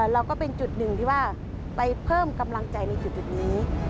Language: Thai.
เราก็เป็นจุดหนึ่งที่ว่าไปเพิ่มกำลังใจในจุดนี้